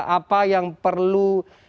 apa yang perlu